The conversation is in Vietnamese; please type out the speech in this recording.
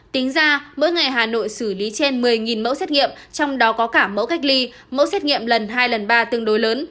tính ra mỗi ngày hà nội xử lý trên một mươi mẫu xét nghiệm trong đó có cả mẫu cách ly mẫu xét nghiệm lần hai lần ba tương đối lớn